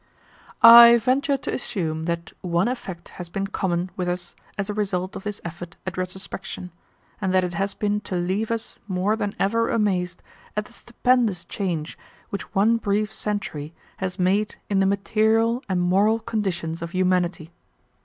"I venture to assume that one effect has been common with us as a result of this effort at retrospection, and that it has been to leave us more than ever amazed at the stupendous change which one brief century has made in the material and moral conditions of humanity.